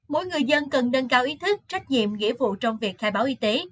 mỗi người dân cần nâng cao ý thức trách nhiệm nghĩa vụ trong việc khai báo y tế